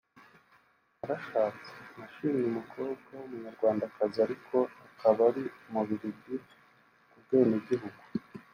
Narashatse…nashimye umukobwa w’umunyarwandakazi ariko akaba ari umubiligi ku bwenegihugu